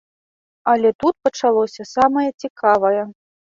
Але тут пачалося самае цікавае.